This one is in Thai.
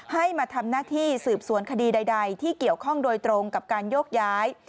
ให้มาทำหน้าที่สืบสวนคดีใดที่เกี่ยวข้องโดยตรงกับการโยกย้าย